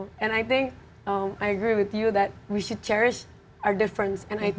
dan saya pikir saya setuju dengan anda bahwa kita harus menghargai perbedaan kita